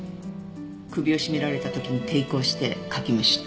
首を絞められた時に抵抗してかきむしった。